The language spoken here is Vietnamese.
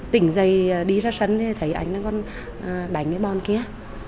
tỉnh dậy đi ra sân thì thấy anh ấy còn đánh cái bọn kia